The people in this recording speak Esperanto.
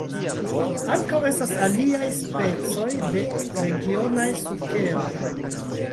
Ankaŭ estas aliaj specoj de regionaj sukeroj.